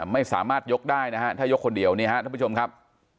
ไม่สามารถยกได้นะครับถ้ายกคนเดียวทุกผู้ชมครับ